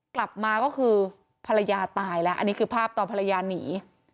กลับมาก็คือภรรยาตายแล้วอันนี้คือภาพตอนภรรยาหนี